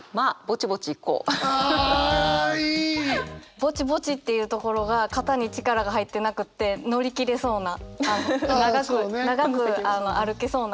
「ぼちぼち」っていうところが肩に力が入ってなくて乗り切れそうな長く長く歩けそうな感じがすてきだなと思いました。